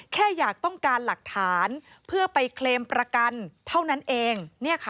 แค่อยากต้องการหลักฐานเพื่อไปเคลมประกันเท่านั้นเอง